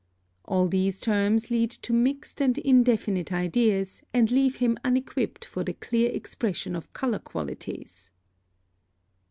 All these terms lead to mixed and indefinite ideas, and leave him unequipped for the clear expression of color qualities.